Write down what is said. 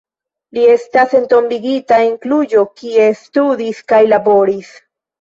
Li estas entombigita en Kluĵo, kie studis kaj laboris.